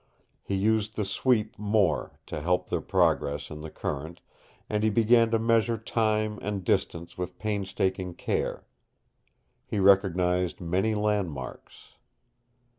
He used the sweep more, to help their progress in the current, and he began to measure time and distance with painstaking care. He recognized many landmarks.